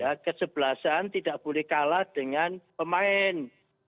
ya kesebelasan tidak boleh kalah dengan pemain